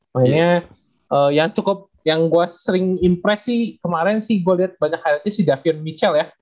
makanya yang cukup yang gue sering impress sih kemarin sih gue liat banyak highlightnya si davion mitchell ya